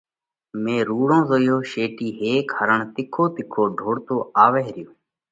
مئين رُوڙون زويو شيٽِي هيڪ هرڻ تِکو تِکو ڍوڙتو آوئه ريو۔